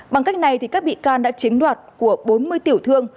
bằng cách này các bị can đã chiếm đoạt của bốn mươi tiểu thương